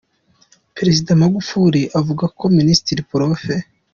Perezida Magufuli avuga ko minisitiri Prof.